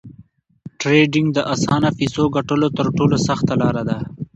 ټریډینګ د اسانه فیسو ګټلو تر ټولو سخته لار ده